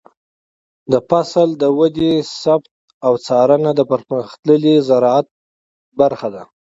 د فصل د ودې ثبت او څارنه د پرمختللي زراعت برخه ده.